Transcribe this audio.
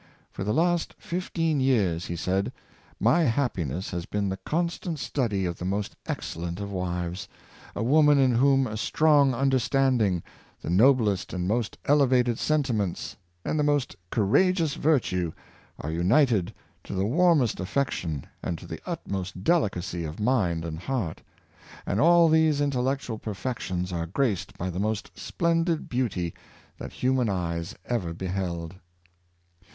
" For the last fifteen years," he said, '^ my happiness has been the constant study of the most excellent of wives — a woman in whom a strong understanding, the noblest and most elevated sentiments, and the most courageous virtue, are united to the warmest aflfection and to the utmost delicacy of mind and heart; and all these intellectual perfections are graced by the most splendid beauty that human eyes ever beheld."